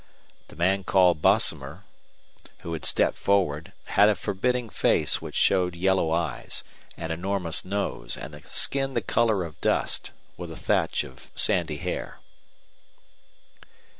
The man called Bosomer, who had stepped forward, had a forbidding face which showed yellow eyes, an enormous nose, and a skin the color of dust, with a thatch of sandy hair.